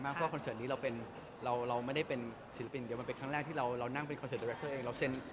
เพราะว่าคอนเสิร์ตนี้เราไม่ได้เป็นศิลปินเดี๋ยวมันเป็นครั้งแรกที่เรานั่งเป็นคอนเสิร์คเตอร์เองเราเซ็น